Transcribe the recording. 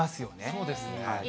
そうですね。